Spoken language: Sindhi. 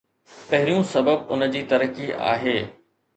پهريون سبب ان جي ترقي آهي.